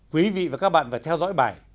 quý vị và các bạn phải theo dõi bài